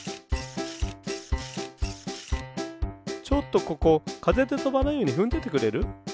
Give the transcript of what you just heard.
ちょっとここかぜでとばないようにふんでてくれる？